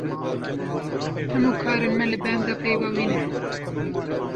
Hemû karên me li benda peyva wî ne.